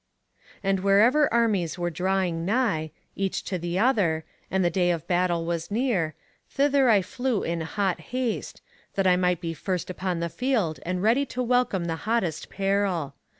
"'And wherever armies were drawing nigh, each to the other, and the day of battle was near, thither I flew in hot haste, that I might be first upon the field, and ready to welcome hottest peril.